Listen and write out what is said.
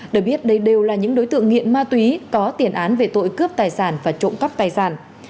được biết đây đều là những đối tượng nghiện ma túy có tiền án về tội cướp tài sản và trộm cắp tài sản